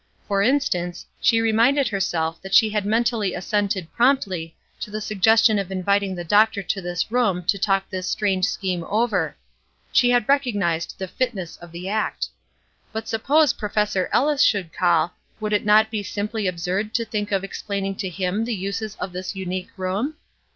For instance, she reminded herself that she had mentally assented promptly to the suggestion of inviting the doctor to this room to talk this strange scheme over; she had recognized the fitness of the act. But suppose Professor Ellis should call, would it not be simply absurd to think of explaining to him the uses of this unique room?